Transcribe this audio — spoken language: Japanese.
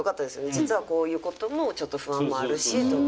実はこういうこともちょっと不安もあるしとか。